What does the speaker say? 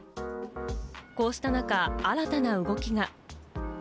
こうした中、新たな動きが。